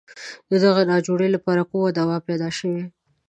د دغې ناجوړې لپاره کومه دوا پیدا شوې.